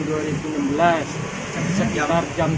sekitar jam delapan saya naik angkot